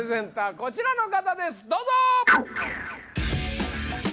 こちらの方ですどうぞ！